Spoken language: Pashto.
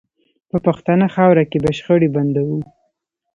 په پښتنه خاوره کې به شخړې بندوو